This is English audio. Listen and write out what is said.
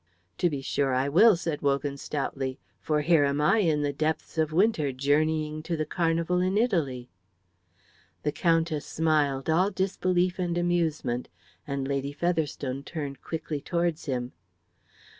"To be sure I will," said Wogan, stoutly. "For here am I in the depths of winter journeying to the carnival in Italy." The Countess smiled, all disbelief and amusement, and Lady Featherstone turned quickly towards him.